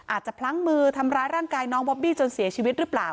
พลั้งมือทำร้ายร่างกายน้องบอบบี้จนเสียชีวิตหรือเปล่า